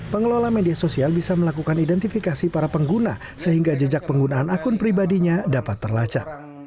pengelola media sosial bisa melakukan identifikasi para pengguna sehingga jejak penggunaan akun pribadinya dapat terlacak